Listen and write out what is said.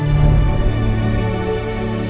sam kenapa lagi sih